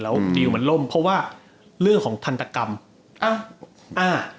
แล้วดิวมันล่มเพราะว่าเรื่องของทันตกรรมอ้าวอ่า